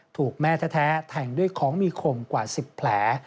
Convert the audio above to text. ถูกแม่แท้แทงด้วยของมีข่มกว่า๑๐แผล